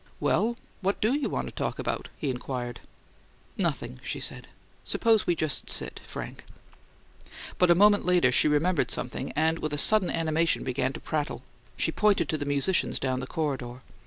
"Well, what DO you want to talk about?" he inquired. "Nothing," she said. "Suppose we just sit, Frank." But a moment later she remembered something, and, with a sudden animation, began to prattle. She pointed to the musicians down the corridor.